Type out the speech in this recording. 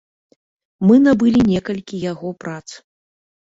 Мы набылі некалькі яго прац.